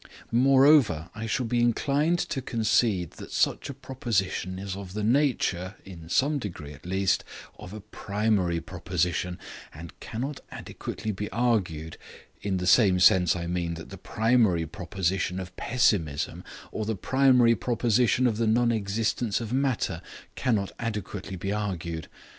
Moreover, I shall be inclined to concede that such a proposition is of the nature, in some degree at least, of a primary proposition, and cannot adequately be argued, in the same sense, I mean, that the primary proposition of pessimism, or the primary proposition of the non existence of matter, cannot adequately be argued.